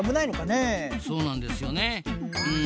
そうなんですよねうん。